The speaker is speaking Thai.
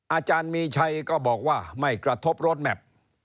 อาจารย์มีชัยก็บอกว่าไม่กระทบรถแมพ